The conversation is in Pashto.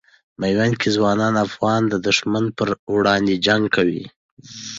میوند کې ځوان افغانان د دښمن پر وړاندې جنګ کوي.